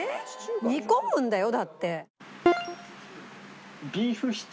煮込むんだよだって。